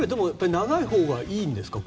長いほうがいいんですか？